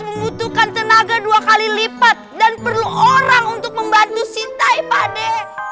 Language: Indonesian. membutuhkan tenaga dua kali lipat dan perlu orang untuk membantu sintai pade